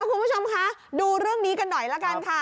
คุณผู้ชมคะดูเรื่องนี้กันหน่อยละกันค่ะ